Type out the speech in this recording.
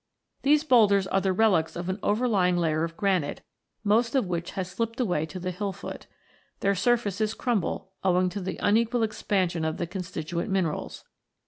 These boulders are the relics of an overlying layer of granite, most of which has slipped away to the hill foot. Their surfaces crumble, owing to the unequal expansion of the constituent minerals.